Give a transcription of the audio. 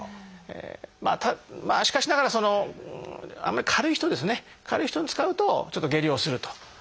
しかしながらその軽い人ですね軽い人に使うとちょっと下痢をすると。